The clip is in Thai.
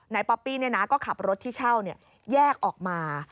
ป๊อปปี้ก็ขับรถที่เช่าแยกออกมา